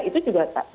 itu juga tidak berguna